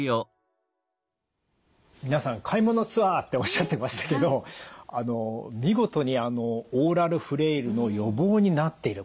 皆さん「買い物ツアー！」っておっしゃってましたけどあの見事にオーラルフレイルの予防になっている。